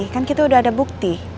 kan kita sudah ada bukti